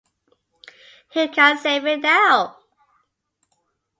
Who can save it now?